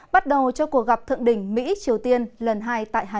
bắt đầu cho cuộc gặp thượng đỉnh mỹ triều tiên lần hai tại hà nội